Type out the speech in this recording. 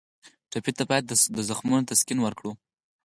ټپي ته باید د زخمونو تسکین ورکړو.